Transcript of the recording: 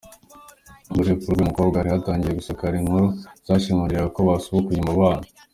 Mbere y’urupfu rw’uyu mukobwa hari hatangiye gusakara inkuru zashimangiraga ko basubukuye umubano.